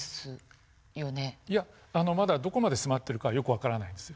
いやまだどこまで迫ってるかはよく分からないんですよ。